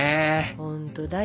本当だよ。